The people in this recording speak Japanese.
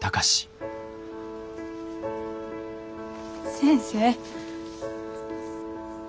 先生。